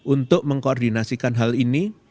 untuk mengkoordinasikan hal ini